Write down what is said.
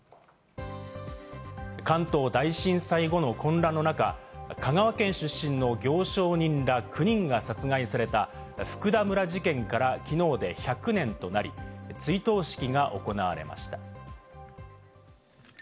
関東大震災後の混乱の中、香川県出身の行商人ら、９人が殺害された福田村事件からきのうで１００年となり、追悼式が行われました。